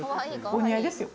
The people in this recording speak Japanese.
お似合いですよ。